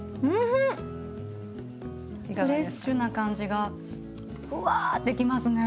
フレッシュな感じがふわってきますね。